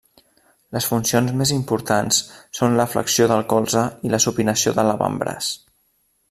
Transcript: Les funcions més importants són la flexió del colze i la supinació de l'avantbraç.